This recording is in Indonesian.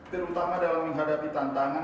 terutama dalam menghadapi tantangan